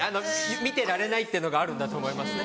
見てられないってのがあるんだと思いますね。